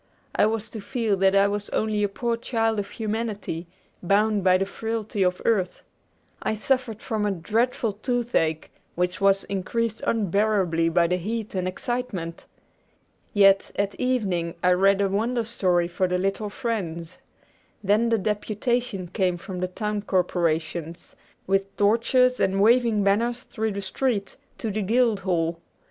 I was to feel that I was only a poor child of humanity, bound by the frailty of earth. I suffered from a dreadful toothache, which was increased unbearably by the heat and excitement. Yet at evening I read a Wonder Story for the little friends. Then the deputation came from the town corporations, with torches and waving banners through the street, to the guild hall.